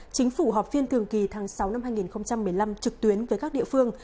chính phủ họp phiên thường kỳ tháng sáu năm hai nghìn một mươi năm trực tuyến với các địa phương